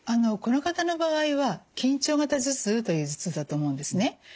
この方の場合は緊張型頭痛という頭痛だと思うんですね。